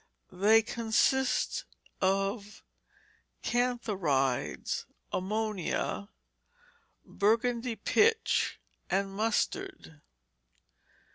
They consist of cantharides, ammonia, Burgundy pitch, and mustard.